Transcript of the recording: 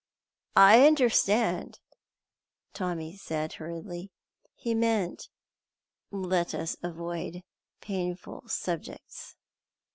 "I understand," Tommy said hurriedly. He meant: "Let us avoid painful subjects."